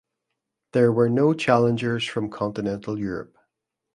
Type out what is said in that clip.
There were no challengers from continental Europe.